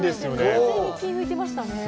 完全に気を抜いてましたね。